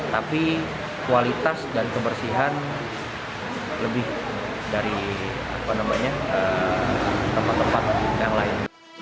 tapi kualitas dan kebersihan lebih dari tempat tempat yang lain